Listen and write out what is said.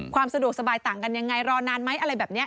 ความสะดวกสบายต่างกันยังไงรอนานไหมอะไรแบบนี้